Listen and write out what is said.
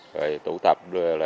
rồi tụ tập